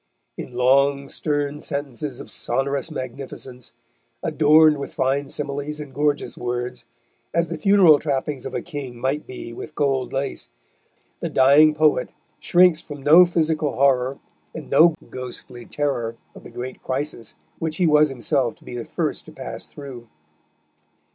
In long, stern sentences of sonorous magnificence, adorned with fine similes and gorgeous words, as the funeral trappings of a king might be with gold lace, the dying poet shrinks from no physical horror and no ghostly terror of the great crisis which he was himself to be the first to pass through.